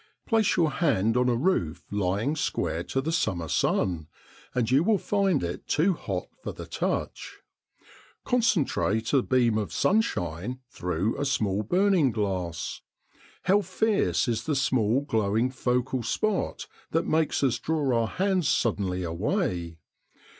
Place your hand on a roof lying square to the summer sun, and you will find it too hot for the touch. Concentrate a beam of sunshine through a small burning glass. How fierce is the small glowing focal spot that makes us draw our hands suddenly away!